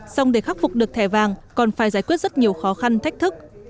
xong để khắc phục được thẻ vàng còn phải giải quyết rất nhiều khó khăn thách thức